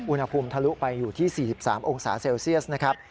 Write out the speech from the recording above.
ทะลุไปอยู่ที่๔๓องศาเซลเซียสนะครับ